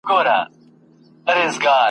زه تږی د کلونو یم د خُم څنګ ته درځمه !.